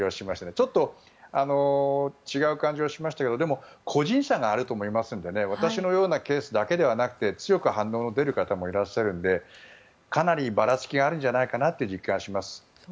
ちょっと違う感じがしましたがでも、個人差があると思うので私のようなケースだけではなくて強く反応の出る方もいらっしゃるのでかなりばらつきがあるんじゃないかなと実感します。